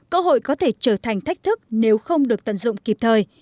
cơ hội có thể trở thành thách thức nếu không được tận dụng kịp thời